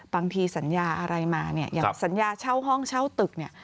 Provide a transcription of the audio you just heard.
บางทีสัญญาอะไรมาเนี่ยอย่างสัญญาเช่าห้องเช่าตึกเนี่ย